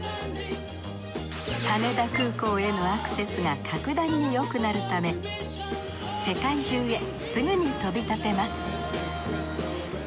羽田空港へのアクセスが格段によくなるため世界中へすぐに飛び立てます